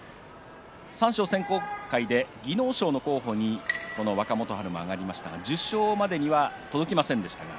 三賞選考会で技能賞の候補に若元春も挙がりましたが受賞には届きませんでした。